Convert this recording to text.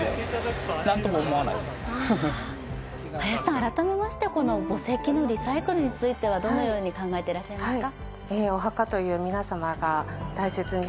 改めまして、墓石のリサイクルについてはどのように考えていらっしゃいますか。